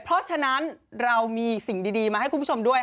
เพราะฉะนั้นเรามีสิ่งดีมาให้คุณผู้ชมด้วย